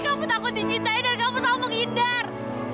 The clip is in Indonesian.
kamu takut dicintai dan kamu selalu menghindar